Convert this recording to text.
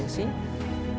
dan di bagian bawah